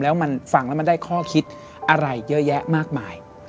แล้วมันฟังแล้วมันได้ข้อคิดอะไรเยอะแยะมากมาย